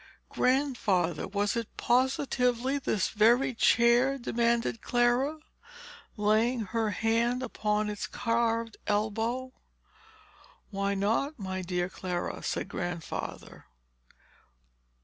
"Grandfather, was it positively this very chair?" demanded Clara, laying her hand upon its carved elbow. "Why not, my dear Clara?" said Grandfather.